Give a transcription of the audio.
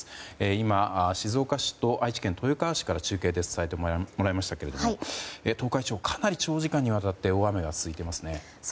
今、静岡市と愛知県豊川市から中継で伝えてもらいましたが東海地方、かなり長時間にわたって大雨が続いていますね。